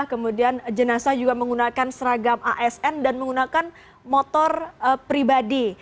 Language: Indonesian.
kemudian jenazah juga menggunakan seragam asn dan menggunakan motor pribadi